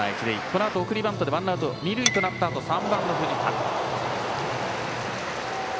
このあと送りバントでワンアウト、二塁のあと３番の藤田。